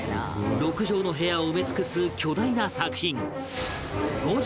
６畳の部屋を埋め尽くす巨大な作品